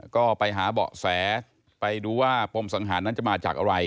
ก็ไปหาเบาะแสไปดูว่าปมสังหารนั้นจะมาจากอะไร